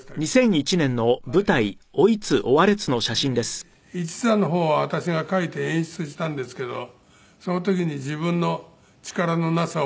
で一座の方は私が書いて演出したんですけどその時に自分の力のなさを感じました。